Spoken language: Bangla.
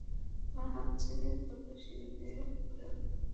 আমার হাত ছেড়ে দ্রুত সিঁড়ি বেয়ে ওপরে উঠে গেলেন।